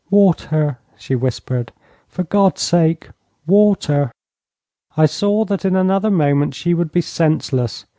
'Water,' she whispered. 'For God's sake, water!' I saw that in another moment she would be senseless.